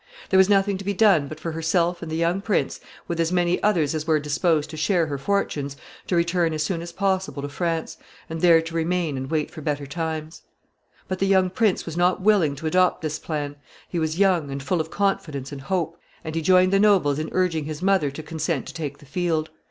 There was nothing to be done but for herself and the young prince, with as many others as were disposed to share her fortunes, to return as soon as possible to France, and there to remain and wait for better times. [Sidenote: The young prince.] But the young prince was not willing to adopt this plan. He was young, and full of confidence and hope, and he joined the nobles in urging his mother to consent to take the field.